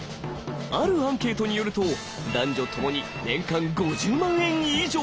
あるアンケートによると男女ともに年間５０万円以上。